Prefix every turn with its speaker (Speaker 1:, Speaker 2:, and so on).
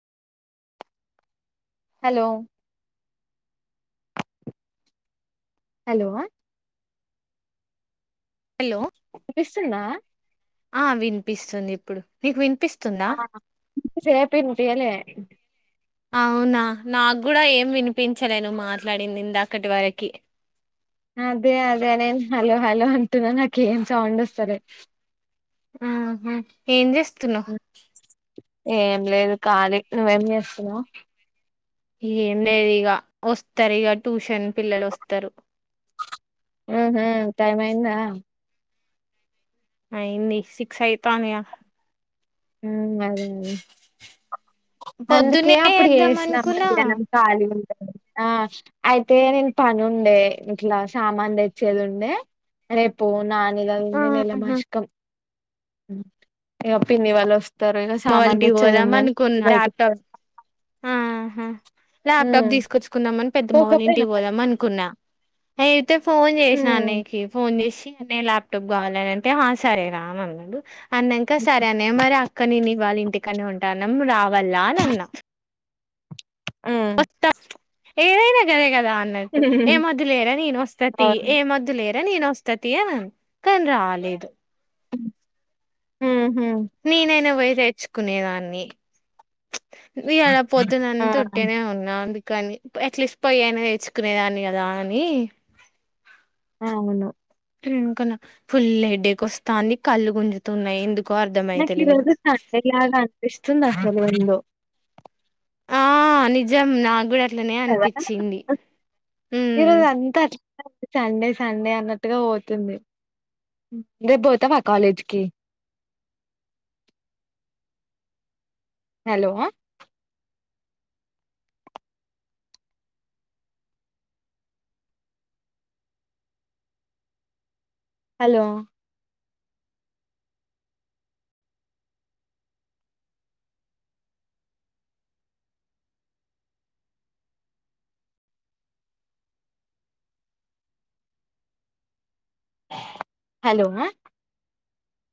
Speaker 1: Hello hello
Speaker 2: hello
Speaker 1: వినిపిస్తుందా
Speaker 2: ఆ వినిపిస్తుంది ఇప్పుడు నీకు వినిపిస్తు
Speaker 1: ఆ సేపు ఇనిపియలే
Speaker 2: అవునా నాకు కూడా ఏం వినిపించలే నువ్వు మాట్లాడింది ఇందాక్కటి వరకి
Speaker 1: అదే అదే నేను హలో హలో అంటున్నా నాకు ఏం సౌండ్ వస్తలే
Speaker 2: ఆహా ఏం చేస్తున్నావ్
Speaker 1: ఏం లేదు ఖాళీ నువ్వేం చేస్తున్నావ్
Speaker 2: ఏం లేదు ఇగ వస్తారు ఇక ట్యూషన్ పిల్లలు వస్తారు
Speaker 1: ఉహు టైమ్ అయిందా
Speaker 2: అయింది సిక్స్ అయితాందిగా
Speaker 1: హ్మ్ అదే అదే అందుకే
Speaker 2: పొద్దున్నే
Speaker 1: అప్పుడ
Speaker 2: చేద్దాం
Speaker 1: వేసిన
Speaker 2: అనుకున్నా
Speaker 1: మధ్యాహ్నం ఖాళీగా ఉన్నా అని ఆ అయితే నేను పని ఉండే ఇట్లా సామాన్ తెచ్చేది ఉండే రేపు నానిల ఉంది
Speaker 2: ఆహా
Speaker 1: నెల
Speaker 2: అమ్మ
Speaker 1: మాసికం ఇగ పిన్ని వాళ్ళ వస్తు తరు ఇగ
Speaker 2: వాళ్ళ
Speaker 1: సామాన్
Speaker 2: ఇంటికి
Speaker 1: తెచ్చేది
Speaker 2: పోదాం
Speaker 1: ఉందని
Speaker 2: అనుకున్నా
Speaker 1: బయటి
Speaker 2: ల్యాప్టాప్ ఆహా ల్యాప్టాప్
Speaker 1: ఉమ్
Speaker 2: తీసుకొచ్చుకుందామని పెద్దమవాల
Speaker 1: పోకపోయినా
Speaker 2: ఇంటికి
Speaker 1: మరి.
Speaker 2: పోదాం అనుకున్నా అయితే ఫోన్ చేసినా
Speaker 1: ఉమ్
Speaker 2: నీకి ఫోన్ చేసి అన్నయ్య ల్యాప్టాప్ కావాలనంటే హా సరే రా అని అన్నాడు అన్నాక సరే అ మరి అక్క నేనివాళ ఇంటికనే ఉంటానం రావాలా అని అన్నా
Speaker 1: హ్మ్.
Speaker 2: ఏదైనా గదే కదా అన్నట్టు
Speaker 1: హ్మ్.
Speaker 2: ఏమోద్దు లేరా నేనే వస్తా తీ
Speaker 1: అవును.
Speaker 2: ఏ మోద్దు లేరా నేను వస్తా తీ అని అన్నాడు కానీ రాలేదు
Speaker 1: మ్మ్ హు
Speaker 2: నేనైనా పోయి తెేచ్చుకునే దాన్ని అదే కదా
Speaker 1: ఆ!
Speaker 2: పొద్దునంత ఉట్టిగనే ఉన్నా అందుకని అట్లీస్ట్ పొయి అయినా తేచ్చుకునే దాన్ని కదా అని
Speaker 1: ఆ అవును
Speaker 2: ఫుల్ హెడ్డేక్ వస్తాంది కళ్ళు గుంజుతున్నాయి ఎందుకు
Speaker 1: నాకు ఈ రోజు [unintelligible] అనిపిస్తుంది అసలు ఎందో
Speaker 2: ఆ నిజం నాకు కూడా అట్లనే
Speaker 1: కదా!
Speaker 2: అనిపిచింది
Speaker 1: ఎంత సండే సండే అన్నట్టుగా పోతుంది రేపు పోతావా కాలేజ్కి హలో హలో హలో